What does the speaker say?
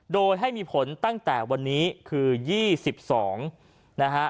โดยให้มีผลตั้งแต่วันนี้คือ๒๒นะฮะ